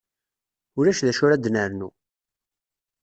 Ulac d acu ara d-nernu.